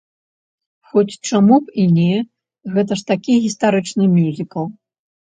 Хоць, чаму б і не, гэта ж такі гістарычны мюзікл.